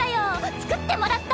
作ってもらったの。